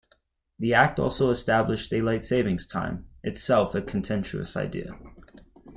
The act also established daylight saving time, itself a contentious idea.